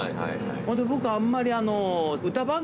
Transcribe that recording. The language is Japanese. それで僕あんまり。